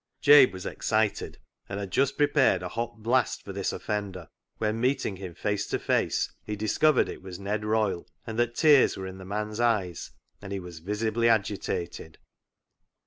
Jabe was excited, and had just prepared a hot blast for this offender when, meeting him face to face, he discovered it was Ned Royle, and that tears were in the man's eyes, and he was visibly agitated.